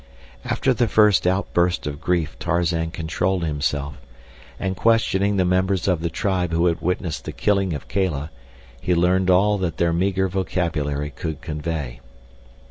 After the first outburst of grief Tarzan controlled himself, and questioning the members of the tribe who had witnessed the killing of Kala he learned all that their meager vocabulary could convey.